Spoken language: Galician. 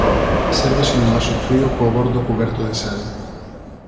Sérvese nun vaso frío co bordo cuberto de sal.